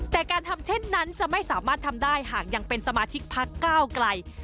แต่การทำเช่นนั้นจะไม่สามารถทำได้หากยังเป็นสมาชิกพักก้าวไกล